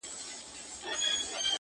خو د دواړو لغتونو